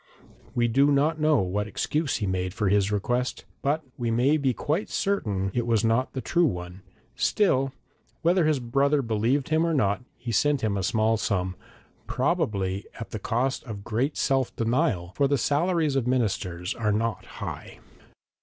We do not know what excuse he made for his request, but we may be quite certain it was not the true one; still whether his brother believed him or not, he sent him a small sum, probably at the cost of great self denial, for the salaries of ministers were not high.